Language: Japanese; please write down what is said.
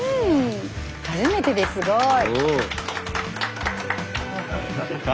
初めてですごい。